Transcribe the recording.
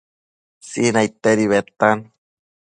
Sinaidtedi bedtan